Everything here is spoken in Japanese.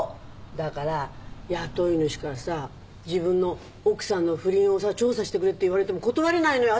だから雇い主からさ自分の奥さんの不倫をさ調査してくれって言われても断れないのよ。